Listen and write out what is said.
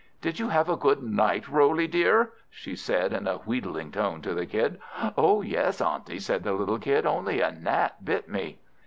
"Did you have a good night, Roley dear?" said she in a wheedling tone to the Kid. "Oh yes, Auntie," said the little Kid, "only a gnat bit me."